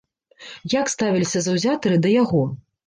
Як ставіліся заўзятары да яго?